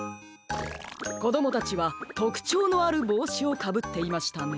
こどもたちはとくちょうのあるぼうしをかぶっていましたね。